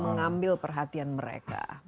mengambil perhatian mereka